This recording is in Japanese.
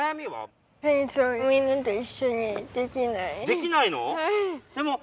できないの？